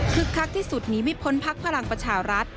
คลักที่สุดหนีไม่พ้นพักพลังประชารัฐ